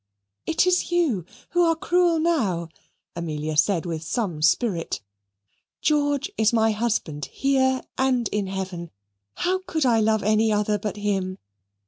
"It is you who are cruel now," Amelia said with some spirit. "George is my husband, here and in heaven. How could I love any other but him?